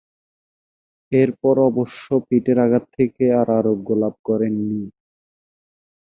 এরপর অবশ্য পিঠের আঘাত থেকে আর আরোগ্য লাভ করেননি।